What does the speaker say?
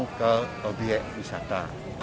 datang ke objek wisata